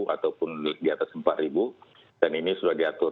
ataupun diatas empat ribu dan ini sudah diatur